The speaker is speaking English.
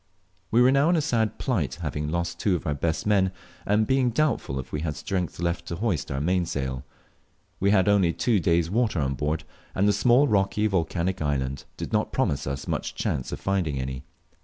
We were now in a sad plight, having lost our two best men, and being doubtful if we had strength left to hoist our mainsail. We had only two days' water on board, and the small, rocky, volcanic island did not promise us much chance of finding any.